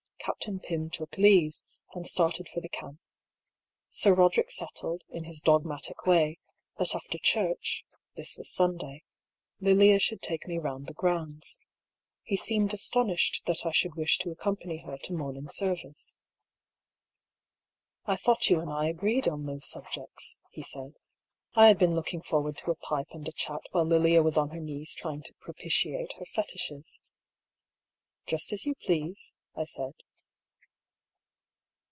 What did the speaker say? Captain Pym took leave, and started EXTRACT FROM DIARY OF HUGH PAULL. 49 for the camp. Sir Eoderick settled, in his dogmatic way, that after church (this was Sunday) Lilia should take me round the grounds. He seemed astonished that I should wish to accompany her to morning service. " I thought you and I agreed on those subjects," he said. " I had been looking forward to a pipe and a chat while Lilia was on her knees trying to propitiate her Fetishes." " Just as you please," I said.